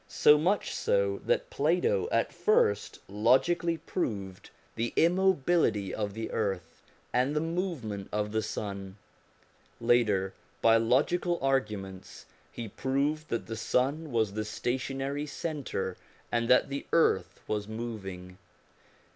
So much so, that Plato at first logically proved the immobility of the earth and the movement of the sun; later by logical arguments he proved that the sun was the stationary centre, and that the earth was moving.